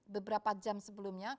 beberapa jam sebelumnya